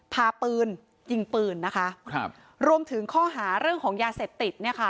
พาปืนยิงปืนนะคะรวมถึงข้อหาเรื่องของยาเสพติด